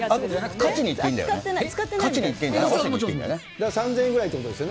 勝ちにいっていいんだよね？